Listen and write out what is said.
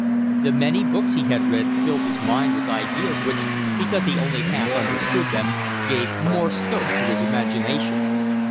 The many books he had read filled his mind with ideas which, because he only half understood them, gave more scope to his imagination.